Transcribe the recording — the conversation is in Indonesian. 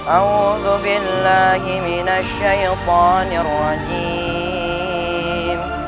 awudhu billahi minasyaitanirrajim